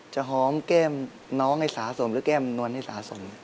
หอมแก้มน้องให้สะสมหรือแก้มนวลให้สะสม